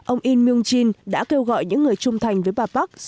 ông in myung jin đã kêu gọi những người trung thành với bà park